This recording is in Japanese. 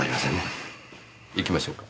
行きましょうか。